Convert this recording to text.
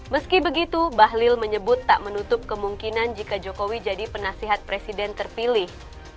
meski begitu bahlil menyebut tak menutup kemungkinan jika jokowi jadi penasihat presiden terpilih